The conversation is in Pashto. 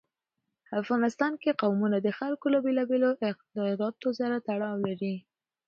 افغانستان کې قومونه د خلکو له بېلابېلو اعتقاداتو سره تړاو لري.